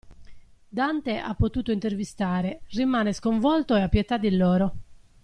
Dante ha potuto "intervistare" rimane sconvolto ed ha pietà di loro.